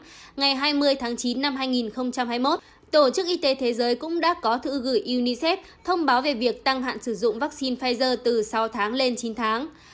ngày hai mươi tháng chín năm hai nghìn hai mươi một tổ chức y tế thế giới cũng đã có thư gửi unicef thông báo về việc tăng hạn sử dụng vaccine từ sáu tháng lên chín tháng